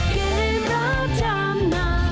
เกมรับจำนำ